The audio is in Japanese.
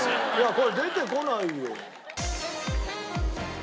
これ出てこないよ。